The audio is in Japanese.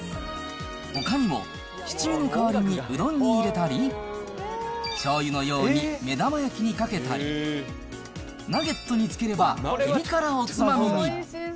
ほかにも七味の代わりにうどんに入れたり、しょうゆのように目玉焼きにかけたり、ナゲットにつければ、ぴり辛おつまみに。